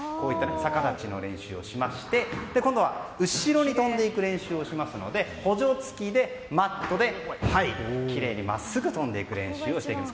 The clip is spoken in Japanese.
逆立ちの練習をしまして今度は、後ろに跳んでいく練習をしますので補助付きでマットできれいに真っすぐ跳んでいく練習をします。